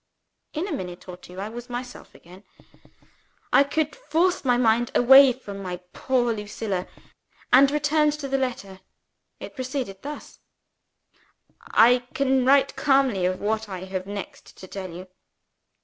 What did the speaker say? In a minute or two I was myself again I could force my mind away from my poor Lucilla, and return to the letter. It proceeded thus: "I can write calmly of what I have next to tell you.